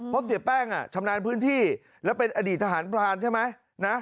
เพราะเสียแป้งชำนาญพื้นที่แล้วเป็นอดีตทหารพรานใช่ไหมนะ